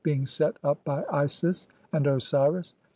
being set up by Isis and Osiris.